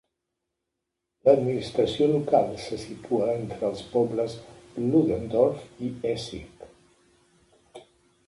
L'administració local se situa entre els pobles Ludendorf i Essig.